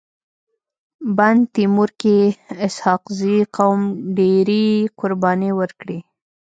بند تيمور کي اسحق زي قوم ډيري قرباني ورکړي.